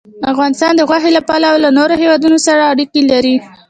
افغانستان د غوښې له پلوه له نورو هېوادونو سره اړیکې لري.